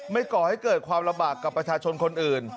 ก่อให้เกิดความลำบากกับประชาชนคนอื่น